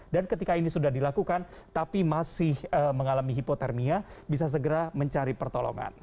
dan ketika ini sudah dilakukan tapi masih mengalami hipotermia bisa segera mencari pertolongan